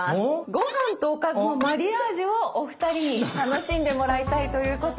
ご飯とおかずのマリアージュをお二人に楽しんでもらいたいということで。